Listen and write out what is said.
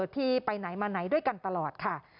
ที่ไปไหนมาไหนด้วยกันตลอดค่ะ